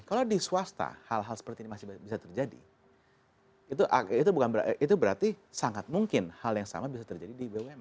kalau di swasta hal hal seperti ini masih bisa terjadi itu berarti sangat mungkin hal yang sama bisa terjadi di bumn